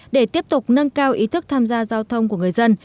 để tiếp tục nâng cao ý thức tham gia giao thông của người dân